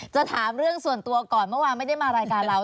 จะถามเรื่องส่วนตัวก่อนเมื่อวานไม่ได้มารายการเรา